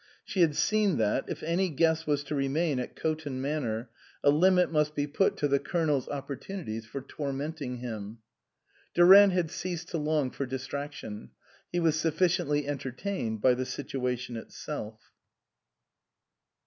She had seen that, if any guest was to remain at Coton Manor, a limit must be 96 INLAND put to the Colonel's opportunities for torment ing him.) Durant had ceased to long for dis traction ; he was sufficiently entertained by the situation itself.